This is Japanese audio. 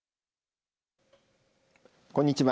こんにちは。